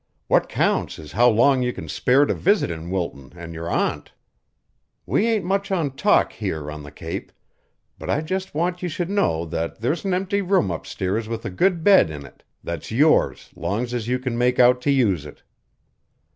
What counts is how long you can spare to visitin' Wilton an' your aunt. We ain't much on talk here on the Cape, but I just want you should know that there's an empty room upstairs with a good bed in it, that's yours long's you can make out to use it.